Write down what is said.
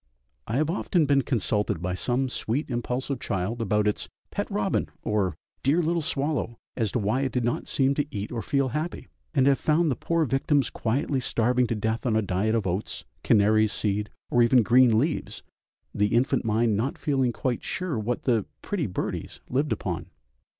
I have often been consulted by some sweet, impulsive child about its "pet robin" or "dear little swallow," as to why it did not seem to eat or feel happy? and have found the poor victims quietly starving to death on a diet of oats, canary seed, or even green leaves, the infant mind not feeling quite sure what the "pretty birdies" lived upon.